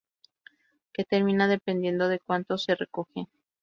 Que termina dependiendo de cuántos se recogen.